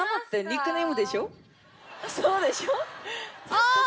そうでしょ？ああ！